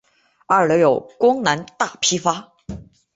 二楼有光南大批发。